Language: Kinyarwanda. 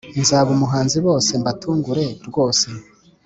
Nzaba umuhanzi bose mbatungure rwose